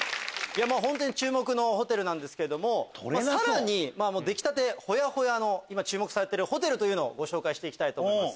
本当に注目のホテルなんですけどもさらに出来たてホヤホヤの今注目されているホテルをご紹介していきたいと思います